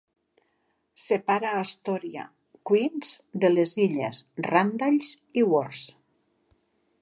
Separa Astoria, Queens, de les illes Randalls i Wards.